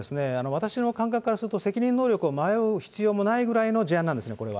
私の感覚からすると、責任能力を迷う必要もないぐらいの事案なんですね、これは。